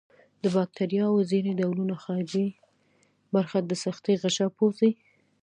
د باکتریاوو ځینې ډولونه خارجي برخه د سختې غشا پوښي.